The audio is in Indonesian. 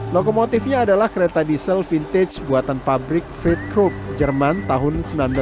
lokomotifnya adalah kereta diesel vintage buatan pabrik friedkrupp jerman tahun seribu sembilan ratus lima puluh delapan